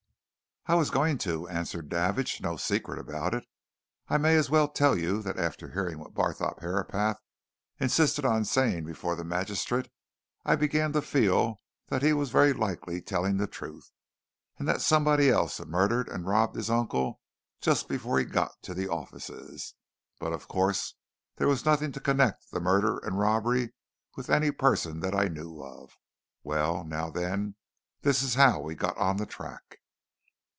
"I was going to," answered Davidge. "No secret about it. I may as well tell you that after hearing what Barthorpe Herapath insisted on saying before the magistrate, I began to feel that he was very likely telling the truth, and that somebody'd murdered and robbed his uncle just before he got to the offices. But, of course, there was nothing to connect the murder and robbery with any person that I knew of. Well, now then, this is how we got on the track.